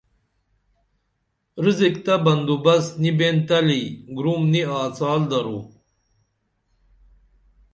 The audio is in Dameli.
رزق تہ بندوبست نی بین تلی گُرم نی آڅال درو